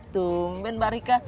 tumben mbak rika